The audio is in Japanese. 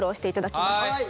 はい。